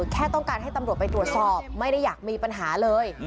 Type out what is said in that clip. แค่ต้องการให้ตำรวจไปตรวจสอบไม่ได้อยากมีปัญหาเลย